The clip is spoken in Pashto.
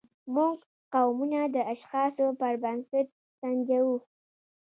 موږ قومونه د اشخاصو پر بنسټ سنجوو.